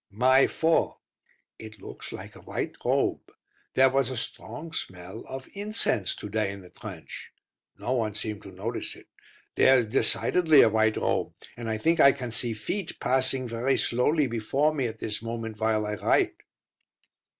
May 4. It looks like a white robe. There was a strong smell of incense to day in the trench. No one seemed to notice it. There is decidedly a white robe, and I think I can see feet, passing very slowly before me at this moment while I write.